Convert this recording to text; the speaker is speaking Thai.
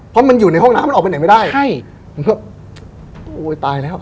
เพราะมันอยู่ในห้องน้ำมันออกไปไหนไม่ได้ใช่มันก็โอ้ยตายแล้ว